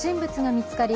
見つかり